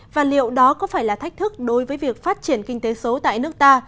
và liệu đó có phải là thách thức đối với việc phát triển kinh tế số tại nước ta